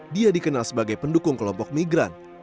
dia dikenal sebagai pendukung kelompok migran